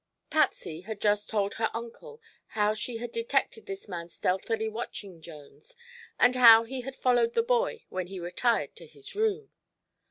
Patsy had just told her uncle how she had detected this man stealthily watching Jones, and how he had followed the boy when he retired to his room.